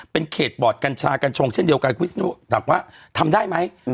เป็นเขตบอดกันชากันชงเช่นเดียวกันคุณวิทยุถามว่าทำได้ไหมอืม